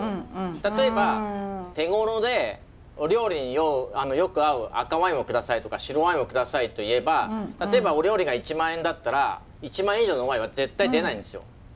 例えば手ごろでお料理によく合う赤ワインを下さいとか白ワインを下さいと言えば例えばお料理が１万円だったら１万円以上のワインは絶対出ないんですよ。